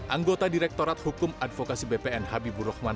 anggota direktorat hukum advokasi bpn habibur rahman